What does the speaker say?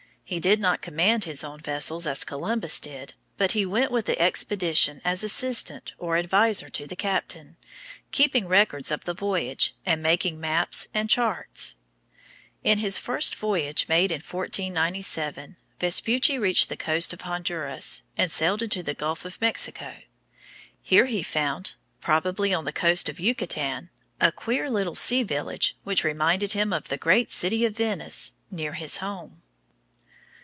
He did not command his own vessels, as Columbus did, but he went with the expedition as assistant or adviser to the captain, keeping records of the voyage and making maps and charts. In his first voyage, made in 1497, Vespucci reached the coast of Honduras, and sailed into the Gulf of Mexico. Here he found, probably on the coast of Yucatan, a queer little sea village which reminded him of the great city of Venice near his home.